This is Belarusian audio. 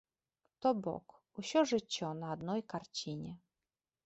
То бок, усё жыццё на адной карціне.